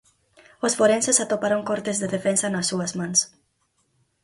Os forenses atoparon cortes de defensa nas súas mans.